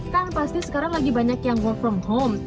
kan pasti sekarang lagi banyak yang work from home